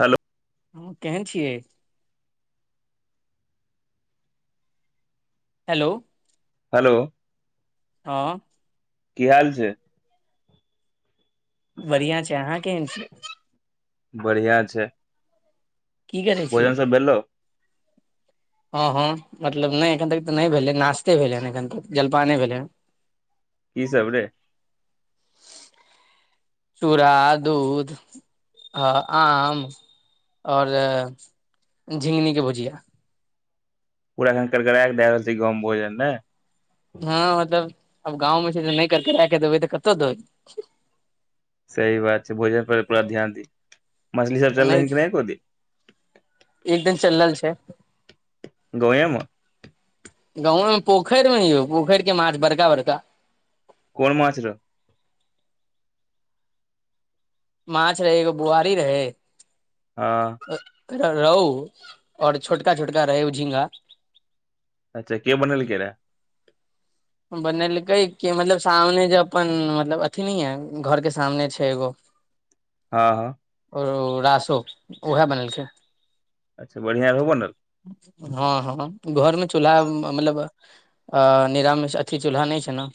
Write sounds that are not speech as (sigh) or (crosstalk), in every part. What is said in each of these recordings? Hello हु केहन छियै हेलो हेलो हऽ की हाल छै बढ़िआं छै अहाँ केहन छी बढ़िया छै की करै छी भोजन सब भेलो ह ह मतलब नै एखन तक तऽ नै भेलै नाश्ते भेलै हन एखन तक जलपाने भेलै की सब रे चूड़ा दूध अ आम (inaudible) और (inaudible) झिंगनी केँ भुजिया पूरा अखन करगराा कऽ दै रहल छी गाँव में भोजन नै हँ मतलब अब गाँव में छै नै कारकरै केँ देबै तऽ कत देबै सही बात छै भोजन पर पूरा ध्यान दी (inaudible) मछली सब नहि चललै ह कि नै एको दिन एक दिन चलल छै गाँव ये में गाँवए में पोखैर में यौ पोखैर केँ माछ बड़का बड़का कोन माछ रो माछ रहै एगो बुआरी रहै हऽ एकटा रोहु और छोटका छोटका रहै झिंगा अच्छ केँ बनलकेँ रहय बनेलकै कि मतलब सामने जे अपन मतलब अथी नै य घर केँ सामने छै एगो ह ह कोन ओ रासो (inaudible) उएह बनेलकै अच्छा बढ़िआँ रहौ बनल हँ हँ घर मे चूल्हा मतलब अ (unintelligible) अथी चूल्हा नै छै न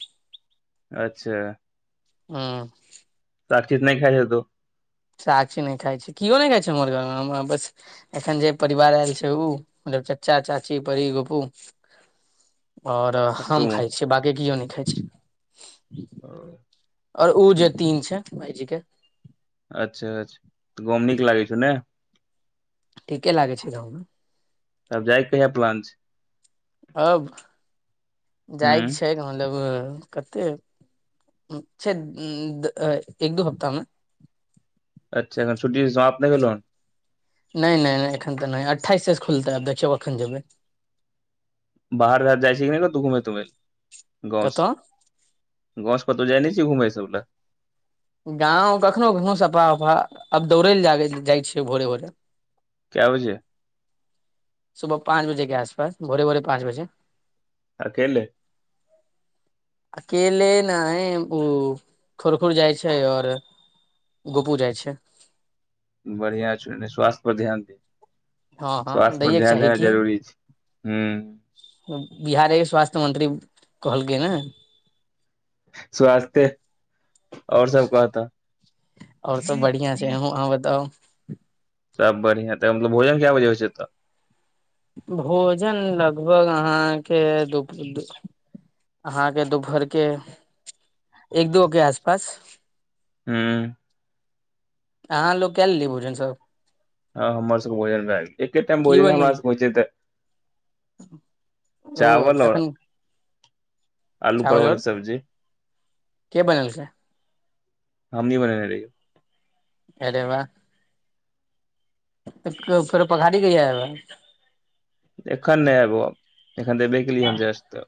अच्छ (unintelligible) साक्षी तऽ नै खाय छैथ ओ साक्षी नय खाइ छै किओ नय खाइ छै हमर घरमे हम बैस एखैन जे परिवार आयल छै उ मतलब चाचा चाची बरी फुफू आओर आ तू हम खाइ छियै बाकी कियो नय खाइ छै (inaudible) आओर उ जे तीन छै भायजी केँ अच्छऽ अच्छऽ गाँव मे नीक लागै छौ नय ठीके लागे छै गाँवमे तब जाय केँ कहियाँ प्लान छै अब जाइके हूँ छै मतलब कते छै (unintelligible) एक दू हप्ताहमे अच्छह एखन छुटी तऽ समाप्त नय भेला हँ नय नय नय एखन तऽ नय अठाइस सँ खुलतै आब देखियौ अखैन जेबै बाहर उहर जाइ छी कि नय कतहु घुमेै तुमे गाँवसँ कतऽ गाँव सँ केतो जाय नय छी कतौ घुमय सब लऽ गाँव कखनो (unintelligible) सफा उफा आब दौड़ै लऽ जागे जाइ छियै भोरे भोरे कैय बजे सुबह कऽ पाँच बजे केँ आसपास भोरे - भोरे पाँच बजे अकेले अकेले नय उ खुरखुर जाइ छै आओर गोपू जाइ छै बढ़िया छै एनि स्वास्थ्य पर ध्यान देही हँ हँ स्व्थ्य पर दैयके ध्यान चाही देनाइ की जरूरी छै हुँ बिहारे कऽ स्वास्थ्य मंत्री कहलकै नऽ स्वास्ते आओर सब कह तब आओर सब बढ़िया छै आहुँ आओर बताउ सब बढ़िया तऽ मतलब भोजन केय बजे होइ छै तऽ भोजन लगभग अहाँकेँ दुप - दु अहाँकेँ दुपहर केँ एक दो केँ आस पास हुँ अहाँ लोक केय लेलियै भोजन सभ हँ हमर सबके भोजन भए गेलै एके टाइम की भोजन हमरा बनेल सबके होइ छै तऽ ओ चावल और तखन आलू चावल परवल कऽ आओर सब्जी के बनेलकै हमही बनेने रहियै अरे वाह फेर पघारी कहिया एबै एखन नय अबो एखन तऽ एबे केलियै हन जस्ट तऽ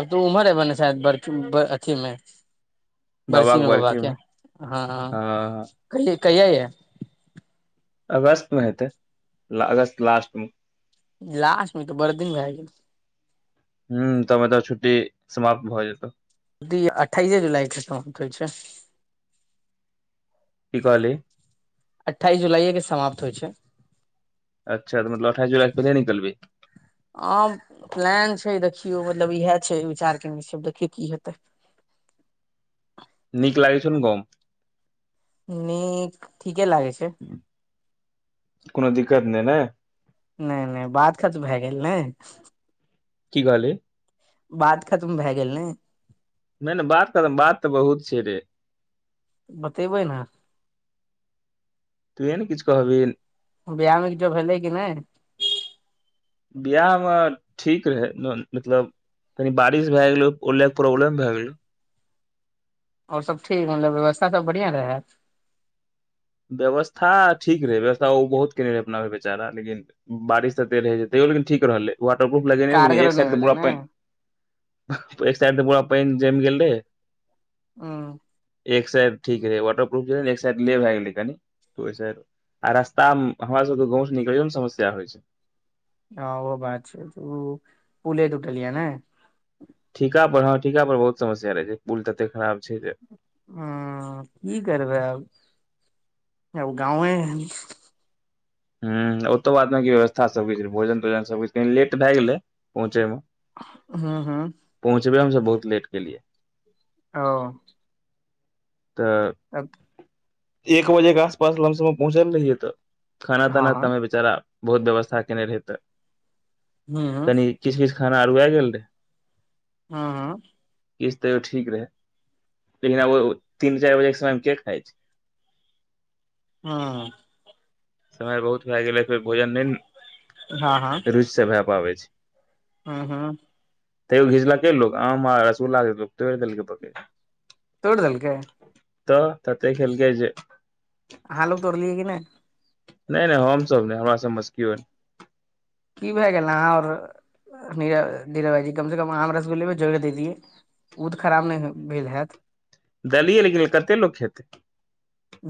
आब तऽ उमर है बने छै शायद बर्फी अथी मे बरसी बाबाके मे बाबा बरखी केँ हँ कहि - कहिया यऽ अगस्तमे हेतै अगस्त लास्ट मऽ लासटमे तऽ बर दिन भए गेल हुँ तऽ मतलब छुट्टी समाप्त भऽ जेतौ छुट्टी अठाइसे जुलाई कऽ खतम होइ छै की कहलही अठाइस जुलाईए कऽ समाप्त होइ छै अच्छा मतलब अठइस जुलाई से पहिले निकलबे आ प्लान छै देखियौ मतलब इएह छै विचार केने छै देखियौ की हेतै नीक लागै छै न गाँव नीक ठीकेँ लागै छै (inaudible) कोनो दिक्कत नै ने नै नै बात खत भए गेल ने की कहली बात खतम भैऽ गेल नै नै नै बात खत्म बात तऽ बहुत छै रे बतेबै न तु है न किछ कहबी बियाह में किछो भेलै कि नै बिआह में ठीक रहै मतलब तनि बारिश भैऽ गेलो ओहिले केँ प्रॉब्लम भैऽ गेलो और सब ठीक मतलब व्यवस्था सब बढ़िआँ रहैत व्यवस्था ठीक रहै व्यवस्था ओ बहुत केने रहै अपना बेचारा लेकिन बारिश तऽ तै रहै छै तैयो लिन ठीक रहलै वाटरप्रूफ लगेने लेकिन कारगर एक नहि साइड तऽ भेलै पूरा ने पाइन एक साइड तऽ पूरा पाइन जैम गेल रहे (unintelligible) एक साइड ठीक रहै वाटरपूफ रह एक साइड ले भैऽ गेलै कनी ओ साइड आ रास्ता में हमरा सबक गाँव स निकलैयै न समस्या होइ छै हँ ओ बात छै (inaudible) उऽ पुले टूटलियै नै ठीका पर हँ ठीका पर बहुत समस्या रहे छै पुल तते खराब छै जे ह की करबै अब (inaudible) जब गाँवए ह ओतौ बाद बाकी व्यवस्था सब की रहै भोजन तोजन सबकिछ कनि लेट भए गेलै पहुँचैमे हु हु पहुँचबे हम सब बहुत लेट केलिए (unintelligible) तऽ (unintelligible) (inaudible) एक बजे कऽ आसपास लम सम म पहुँचै रहियै तऽ खाना हँ ताना हँ तऽ बेचारा बहुत व्यवस्था केने रहे तऽ (inaudible) हूँ हूँ कनि किछ किछ खाना अरुऐल गेल रहे हू किछ तैयो ठीक रहे (inaudible) लेकिन आब ओ तीन चाइर बजे केँ समय में केँ खाइ छै हँ समय बहुत भैऽ गेलै फेर भोजन नै न हँ (inaudible) रुचि से भए पाबै छै हु हु तैयो घिचलकै लोक आम आ रसुल्ला तोड़ देलक पकड़ दोड़ दलकेँ तऽ ततै खेलकै जे अहाँ लोग तोड़लियै कि नै नै नै हम सभ नै हमरा सभ में से केओ नै की भए गेल अहाँऔर (inaudible) नी नीरभाईजी कम से कम आम रसगुल्ले भ जोड़ दे दियए ओत खराब नै हो भेल होैत देलियै लेकिन कतेक लोक खेतै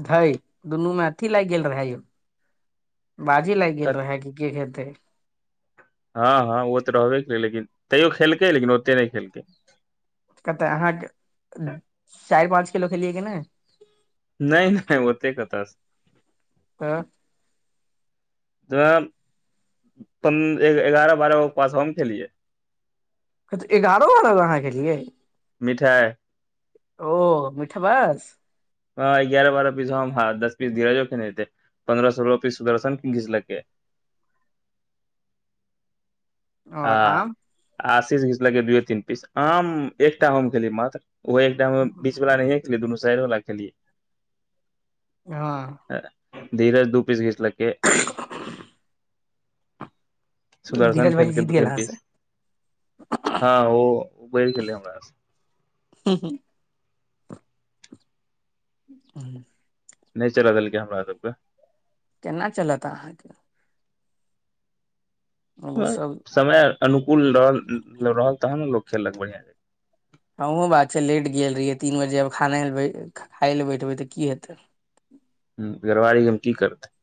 धय दुनू में अथी लाइग गेल रहै यौ बाजी लाइए गेल कते रहै कि केँ खेतै हँ हँ ओ तऽ रहबे कै लेकिन तैयो खेलकै लेकिन ओते नै खेलकै कतऽ अहाँकेँ (inaudible) चाइर पाँच किलो खेलियै कि नै नै नै ओते कत स (inaudible) तऽ जाम (inaudible) प्रन एगारह बारह गो पास हम खेलियै कथ एगारह बारह गो अहाँ खेलिए मिठाइ ओ मिठबास हऽ एगारह बारह पीस हम हँ दस पीस धीरजो खेने हेते पन्द्रह सोलह पीस सुदर्शन घिचलकै आ और आम आशीष घीचलकै दूए तीन पीस आम एकटा हम खेलियी मात्र ओ एकटामे बीच वाला नहींए खेलियै दुनू साइड वला खेलियै (inaudible) हँ धीरज दू पीस घीचलकै (inaudible) (inaudible) सुदर्शन धीरज खेल भाईजी कै जीत दू गेल तीन अहाँ पीस से (inaudible) हँ ओ बढ़ गेल हमरा स (unintelligible) (unintelligible) नै चल देलकै हमरा सब कऽ केना चलत अहाँकेँ ओ सब समय अनुकूल रहल रहल तहन न लोक खेललक बढ़िया आ उहो बात छै लेट गेल रहियै तीन बजे आब खान लए खाय लए बैठबै तऽ की हेतै हु घरबारी यऽ यै में की करतेै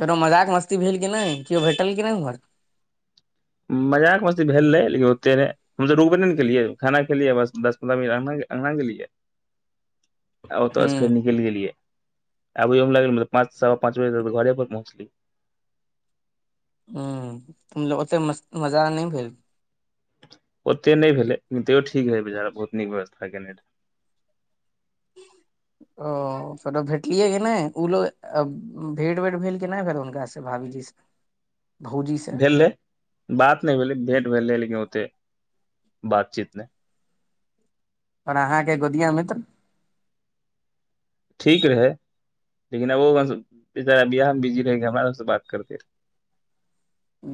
कनो मजाक मस्ती भेल कि नै केओ भेटल कि नै उमहर मजाक मस्ती भेल रहै लेकिन ओते नै हम सब रुकबे नै न केलियै खाना खेलियै बस दस पन्द्रह मिनटअँगना गेलियै (inaudible) आ ओतऽसँ फेर हूँ निकैल गेलियै (inaudible) आबैयमे लागल पँच सवा पाँच बजे तक घरे पर पहुँचली ह ओतेस मजा नहि भेल ओते नै भेलेैे ठीक रहे बेचारा बहुत नीक व्यवस्था केने रहे (unintelligible) ओ तऽ भेटलियै की नै ओ लोग भेट वेट भेल की नै फेर हुनका से भाभी ज (unintelligible) भेलै बात नै भेलै भेट भेल रहै लेकिन ओते (inaudible) बातचीत नै पर अहाँ केँ गोदिया मित्र ठीक रहै (inaudible) लेकिन अब ओ बेचारा बियाह म बिजी रहै हमरा सबस बात करते रह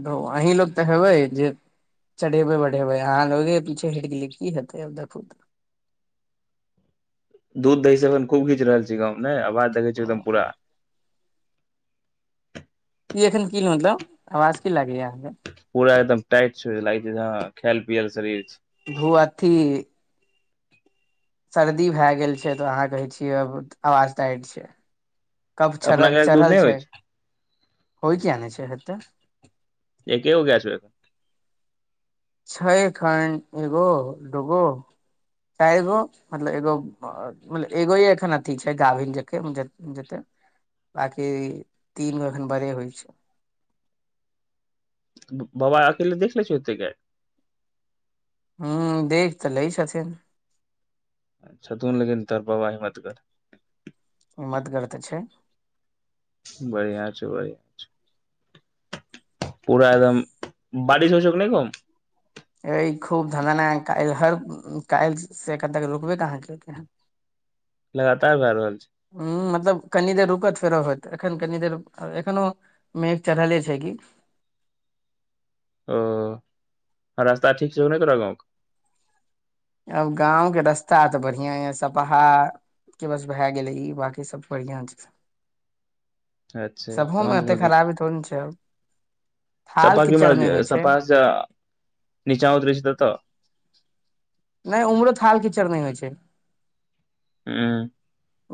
धोअ अहीं लोक तऽ हेबै जे चढ़ेबै बढ़ेबै अहाँ लोगे पीछे हटि गेलियै की हेतै आब देखू तऽ दूध दही सब अखन खूब घीच रहल छी गाँव में नै आवाज देखै छै तऽ एकदम पूरा ई एखन की मतलब आवाज की लागे यहाँ केँ पूरा एकदम टाइट छै लागै छै हँ खायल पियल शरीर छै धु अथी सर्दी भैऽ गेल छै तऽ अहाँ कहै छियै आवाज टाट छै कब छर अपना गाय के दूध चढ़ल नहि छै होइ (inaudible) होइ किया नै छै हेते एकेगो गाय छै अखन छ ख् एगो दगो च एगो मतलब एगो मतल एगो एखन अथी छै गाभिन जे जेते बाकि तीन मे एखन बड़े होइ छै बाबा अकेले देख सकै गय हू देल। छलै सबके लगिन तर बाबा हिमतगर हिमतगर। होयत छै बढ़िआँ छै बढ़िआ छै पूरा एकदम बारिश होइ छौ। कि नहि गांव मैं अ खूब धलना। होयत छै काल्हि से कन तक रुकबे काँ केलकै हँ लगातार लरलखिन ह मतलब कनि देर रुकत फेरत होत एखन कनि देर एखनो मे एक चढ़ले छै किी ओ रास्ता ठीक छौकि नहि तोरा। गाव में आब गाँवके रस्ता तऽ बढ़िआँ यए सपहा के बस भए गेलै ई बकी सब बढ़िियां छै अच्छा सबहो मे तहन तऽ कोनो एते दिक खराबी थोड़ ने छै थाल सफा की कीचड़ नहि म होइ सफ छै निचा उतर छै त तऽ नहि उम्हरो हाल कीचड़ नहि होइ छै ह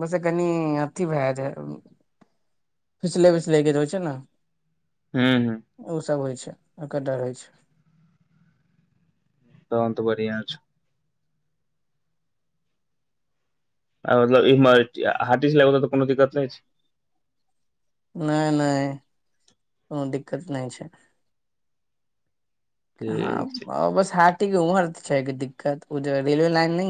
उतकनी अथिी भए जा फिसले फिसले गिल होय छैना हँ हँ हैकि सब होय छै आ कर रहै छी तहन त बढ़िआँ छै मतलब इमहर हाथीबला। कोनो दिक्कत नहि न नहि नहि कोनो दिक्कत नहि छै ठीक हँ बस हाटीके उमर छै दिक्कत ओ रेलवे लाइन नहिछै